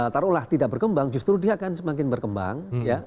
taruhlah tidak berkembang justru dia akan semakin berkembang ya